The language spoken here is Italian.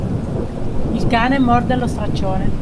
Il cane morde lo straccione.